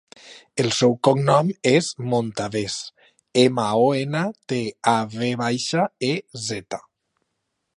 El seu cognom és Montavez: ema, o, ena, te, a, ve baixa, e, zeta.